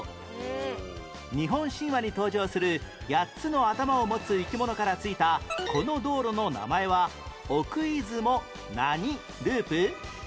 日本神話に登場する八つの頭を持つ生き物から付いたこの道路の名前は奥出雲何ループ？